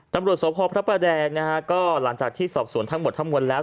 ตำรวจสพพระประแดงนะฮะก็หลังจากที่สอบสวนทั้งหมดทั้งมวลแล้ว